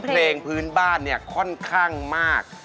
เพลงพื้นบ้านค่อนข้างมาก